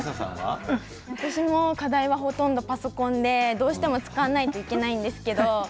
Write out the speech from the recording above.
私は課題がほとんどパソコンでどうしても使わないといけないんですけれど